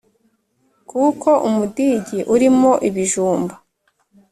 kuko umudigi urimo ibijumba